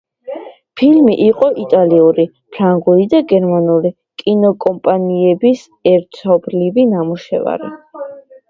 ფილმი იყო იტალიური, ფრანგული და გერმანული კინოკომპანიების ერთობლივი ნამუშევარი.